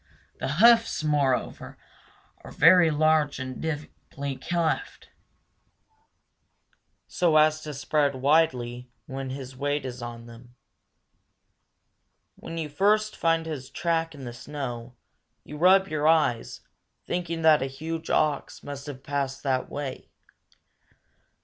The hoofs, moreover, are very large and deeply cleft, so as to spread widely when his weight is on them. When you first find his track in the snow, you rub your eyes, thinking that a huge ox must have passed that way.